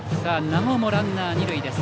なおもランナー二塁です。